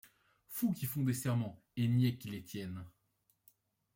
Fous qui font des serments et niais qui les tiennent !